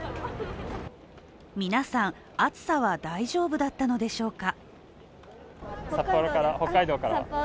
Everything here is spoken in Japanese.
皆さん、暑さは大丈夫だったのでしょうか。